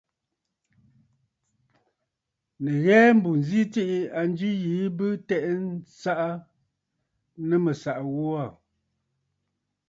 Nɨ ghɛɛ, mbù ǹzi tsiʼǐ a njwi yìi bɨ tɛ'ɛ nsaʼa nɨ mɨ̀saʼa ghu aà.